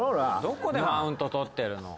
どこでマウント取ってるの？